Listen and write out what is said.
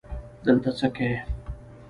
دلته څه که یې